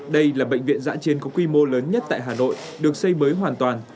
đây là bệnh viện giã chiến có quy mô lớn nhất tại hà nội được xây mới hoàn toàn